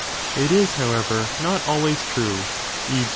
It is, however, not always true, e.